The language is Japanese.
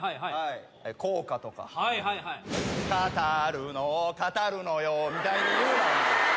「語るの語るのよ」みたいに言うな。